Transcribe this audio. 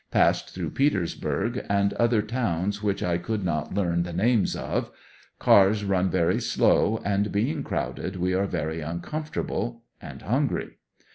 Passed through Petersburg, and other towns which I could not learn the names of. Cars run very slow, and being crowded, we are very uncomfortable— and hungry.